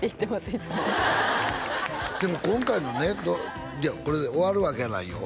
いつもでも今回のねいやこれ終わるわけやないよ